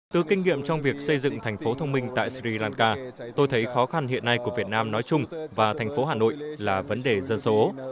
từ kinh nghiệm trong việc xây dựng thành phố thông minh tại sri lanka tôi thấy khó khăn hiện nay của việt nam nói chung và thành phố hà nội là vấn đề dân số